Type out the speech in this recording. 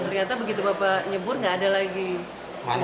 ternyata begitu bapak nyebur gak ada lagi uangnya